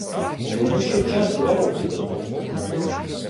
Йому ще час два роки до того.